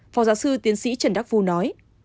phó giáo sư tiến sĩ trần đắc phu nói